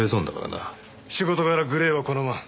仕事柄グレーは好まん。